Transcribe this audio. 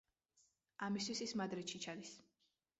ამისთვის ის მადრიდში ჩადის.